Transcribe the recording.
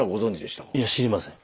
いや知りません。